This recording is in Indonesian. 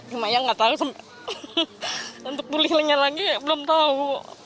cuma ya nggak tahu untuk pulih lagi belum tahu